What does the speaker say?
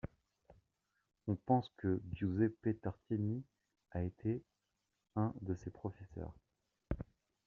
On pense que Giuseppe Tartini a été un de ses professeurs.